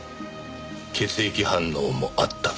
血液反応もあった。